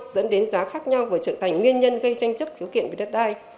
dẫn đến giá khác nhau và trở thành nguyên nhân gây tranh chấp khiếu kiện với đất đai